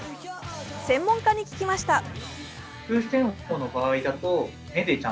専門家に聞きました。